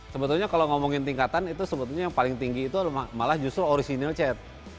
sebetulnya kalau ngomongin tingkatan itu sebetulnya yang paling tinggi itu malah justru orisinil chat